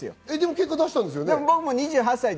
結果、手を出したんですよね。